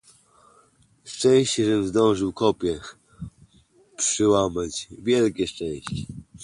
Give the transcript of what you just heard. "Szczęście, żem zdążył kopię przyłamać, wielkie szczęście!"